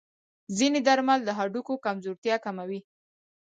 ځینې درمل د هډوکو کمزورتیا کموي.